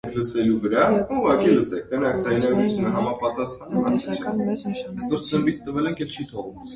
Յակուտիայի ալասները ունեն տնտեսական մեծ նշանակություն։